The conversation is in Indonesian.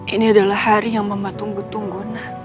ini adalah hari yang mama tunggu tunggu